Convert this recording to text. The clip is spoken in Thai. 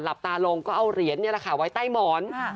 หลับตาลงก็เอาเหรียญต่างจังหวัดล่ะค่ะไว้ใต้หมอน